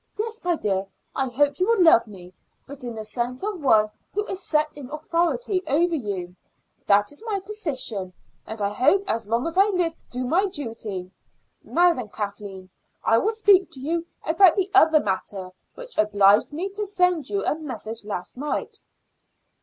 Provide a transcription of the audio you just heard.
Yes, my dear, I hope you will love me, but in the sense of one who is set in authority over you. That is my position, and I hope as long as I live to do my duty. Now then, Kathleen, I will speak to you about the other matter which obliged me to send you a message last night."